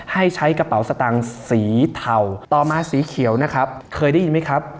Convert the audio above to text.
ให้ใช้กระเป๋าสตางค์สีเทาต่อมาสีเขียวนะครับเคยได้ยินไหมครับ